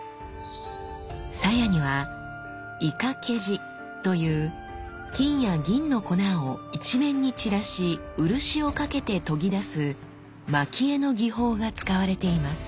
鞘には沃懸地という金や銀の粉を一面に散らし漆をかけて研ぎ出す蒔絵の技法が使われています。